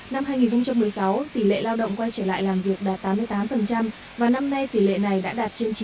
năm hai nghìn một mươi sáu tỷ lệ lao động quay trở lại làm việc đạt tám mươi tám và năm nay tỷ lệ này đã đạt trên chín mươi